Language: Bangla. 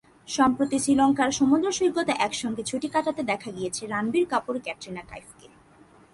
সম্প্রতি শ্রীলঙ্কার সমুদ্র সৈকতে একসঙ্গে ছুটি কাটাতে দেখা গেছে রণবীর কাপুর-ক্যাটরিনা কাইফকে।